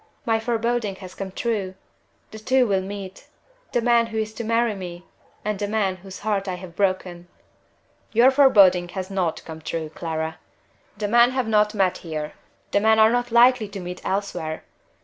My foreboding has come true! The two will meet the man who is to marry me and the man whose heart I have broken!" "Your foreboding has not come true, Clara! The men have not met here the men are not likely to meet elsewhere.